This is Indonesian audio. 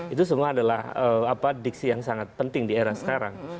itu semua adalah diksi yang sangat penting di era sekarang